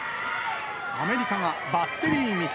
アメリカがバッテリーミス。